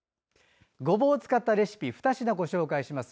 ごぼうを使ったレシピ２品、ご紹介します。